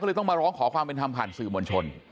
เลยต้องมาร้องขอความเป็นธรรมผ่านสื่อมวลชน